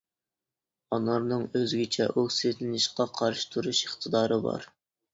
ئانارنىڭ ئۆزگىچە ئوكسىدلىنىشقا قارشى تۇرۇش ئىقتىدارى بار.